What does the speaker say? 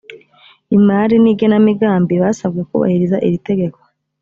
imari n igenamigambi basabwe kubahiriza iri tegeko